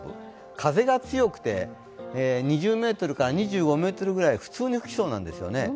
風が強くて２０から２５メートルぐらい普通に吹きそうなんですよね。